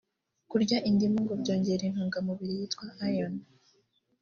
kurya indimu ngo byongera intungamubiri yitwa iron